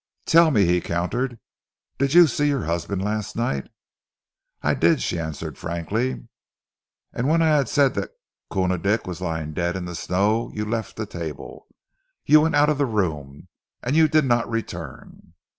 "Tell me," he countered, "did you see your husband last night?" "I did," she answered frankly. "And when I had said that Koona Dick was lying dead in the snow, you left the table. You went out of the room, and you did not return."